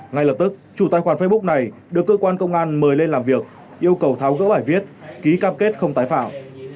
ngay lập tức chủ tài khoản facebook này được cơ quan công an mời lên làm việc yêu cầu tháo gỡ bài viết ký cam kết không tái phạm